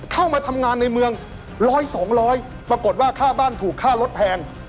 เข้ามาทำงานในเมืองร้อยสองร้อยปรากฏว่าค่าบ้านถูกค่ารถแพง